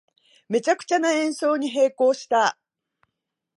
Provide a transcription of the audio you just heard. めちゃくちゃな演奏に閉口した